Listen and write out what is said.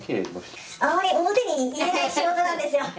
あんまり表に言えない仕事なんですよ。